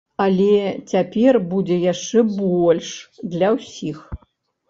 Але цяпер будзе яшчэ больш для ўсіх.